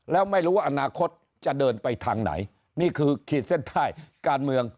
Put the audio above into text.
แล้วไม่รู้ว่าอนาคตจะเดินไปทางไหนนี่คือขีดเส้นใต้การเมือง